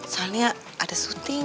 soalnya ada syuting